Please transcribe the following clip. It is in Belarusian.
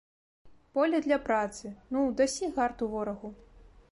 Поле для працы, ну, дасі гарту ворагу!